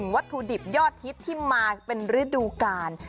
วัตถุดิบยอดฮิตที่มาเป็นฤดูกาล